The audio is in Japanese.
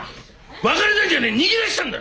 別れたんじゃねえ逃げ出したんだ！